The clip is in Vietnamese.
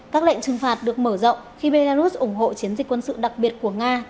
các lệnh trừng phạt được mở rộng khi belarus ủng hộ chiến dịch quân sự đặc biệt của nga